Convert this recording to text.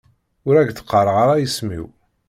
Ur ak-d-qqareɣ ara isem-iw.